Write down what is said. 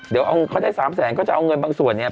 เดี๋ยวเอาเขาได้๓แสนก็จะเอาเงินบางส่วนเนี่ย